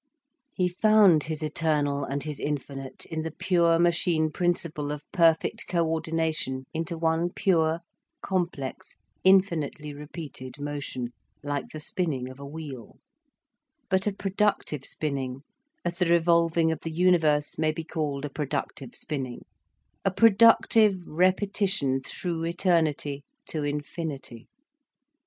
He found his eternal and his infinite in the pure machine principle of perfect co ordination into one pure, complex, infinitely repeated motion, like the spinning of a wheel; but a productive spinning, as the revolving of the universe may be called a productive spinning, a productive repetition through eternity, to infinity.